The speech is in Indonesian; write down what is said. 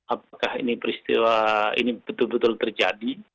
apakah ini peristiwa ini betul betul terjadi